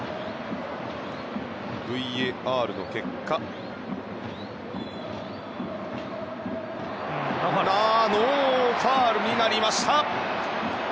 ＶＡＲの結果ノーファウルになりました。